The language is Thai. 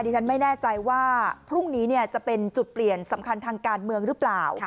ฉันไม่แน่ใจว่าพรุ่งนี้จะเป็นจุดเปลี่ยนสำคัญทางการเมืองหรือเปล่า